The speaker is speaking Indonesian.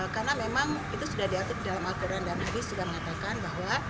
karena memang itu sudah diatur dalam aturan dan hadis sudah mengatakan bahwa